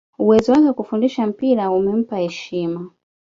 uwezo wake wa kufundisha mpira umempa heshima